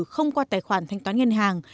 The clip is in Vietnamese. không qua tài khoản thanh toán ngân hàng